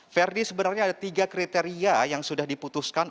verdi sebenarnya ada tiga kriteria yang sudah diputuskan